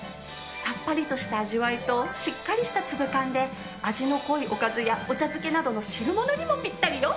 さっぱりとした味わいとしっかりした粒感で味の濃いおかずやお茶漬けなどの汁物にもピッタリよ！